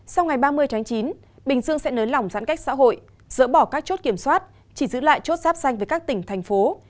sau ngày ba mươi tháng chín bình dương sẽ nới lỏng giãn cách xã hội dỡ bỏ các chốt kiểm soát chỉ giữ lại chốt sáp xanh với các tỉnh thành phố